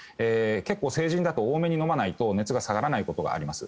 結構成人だと多めに飲まないと熱が下がらないことがあります。